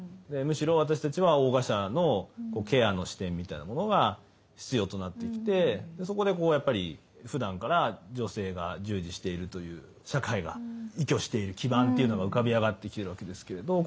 むしろ私たちは横臥者のケアの視点みたいなものが必要となってきてそこでこうやっぱりふだんから女性が従事しているという社会が依拠している基盤というのが浮かび上がってきてるわけですけれど。